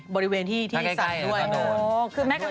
บริเวณที่สัตว์ด้วย